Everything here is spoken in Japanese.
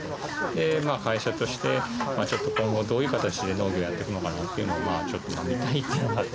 会社としてちょっと今後どういう形で農業をやっていくのかなというのをちょっと見たいっていうのがあって。